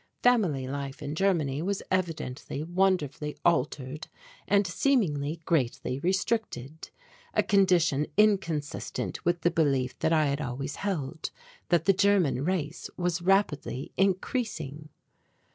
Family life in Germany was evidently wonderfully altered and seemingly greatly restricted, a condition inconsistent with the belief that I had always held that the German race was rapidly increasing.